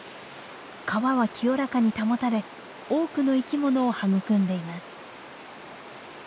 川は清らかに保たれ多くの生きものを育んでいます。